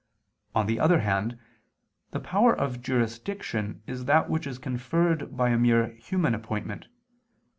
On the other hand, the power of jurisdiction is that which is conferred by a mere human appointment.